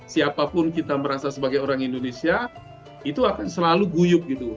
siapapun kita merasa sebagai orang indonesia itu akan selalu guyup gitu